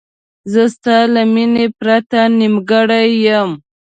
زه ستا له مینې پرته نیمګړی یم.